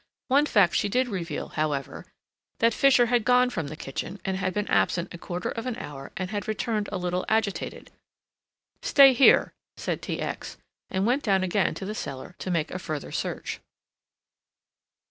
One fact she did reveal, however, that Fisher had gone from the kitchen and had been absent a quarter of an hour and had returned a little agitated. "Stay here," said T. X., and went down again to the cellar to make a further search.